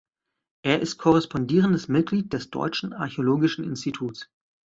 Er ist korrespondierendes Mitglied des Deutschen Archäologischen Instituts.